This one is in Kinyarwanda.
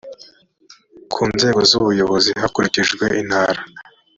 ku nzego z ubuyobozi hakurikijwe intara